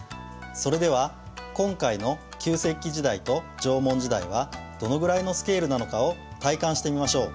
それでは今回の旧石器時代と縄文時代はどのぐらいのスケールなのかを体感してみましょう。